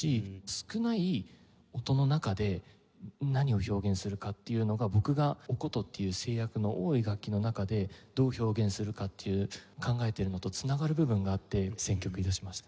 少ない音の中で何を表現するかっていうのが僕がお箏っていう制約の多い楽器の中でどう表現するかっていう考えているのと繋がる部分があって選曲致しました。